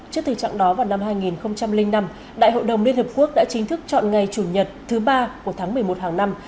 trước thực trạng đó vào năm hai nghìn năm đại hội đồng liên hợp quốc đã chính thức chọn ngày chủ nhật thứ ba của tháng một mươi một hàng năm